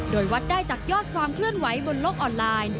โดยวัดได้จากยอดความเคลื่อนไหวบนโลกออนไลน์